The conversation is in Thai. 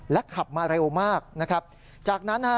แล้วพอเสร็จแล้ว